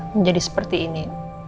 menjadi seperti ini